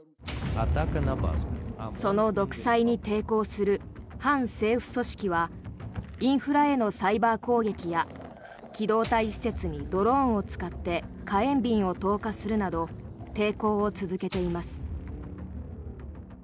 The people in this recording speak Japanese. その独裁に抵抗する反政府組織はインフラへのサイバー攻撃や機動隊施設にドローンを使って火炎瓶を投下するなど抵抗を続けています。